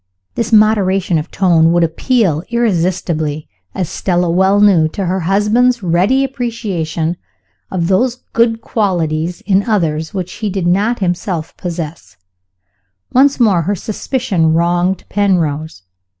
(This moderation of tone would appeal irresistibly, as Stella well knew, to her husband's ready appreciation of those good qualities in others which he did not himself possess. Once more her suspicion wronged Penrose.